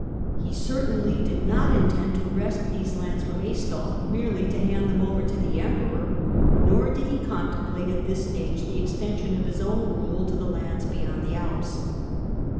He cer ainly did not intend to wrest these lands from Aistulf uerely to hand them over to the Emperor, nor did he mtemplate, at this stage, the extension of his own ule to the lands beyond the Alps.